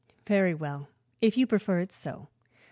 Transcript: "Very well, if you prefer it so."